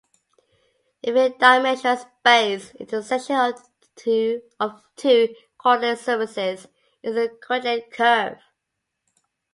In three-dimensional space the intersection of two coordinate surfaces is a coordinate curve.